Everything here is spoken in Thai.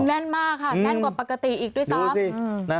แน่นมากค่ะแน่นกว่าปกติอีกด้วยซ้ำ